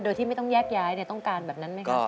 โดยที่ไม่ต้องแยกย้ายต้องการแบบนั้นไหมครับ